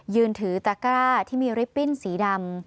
ยืนถือตะกร้าที่มีลิปปิ้นสีดำ